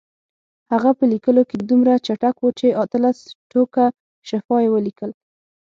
هغه په لیکلو کې دومره چټک و چې اتلس ټوکه شفا یې ولیکل.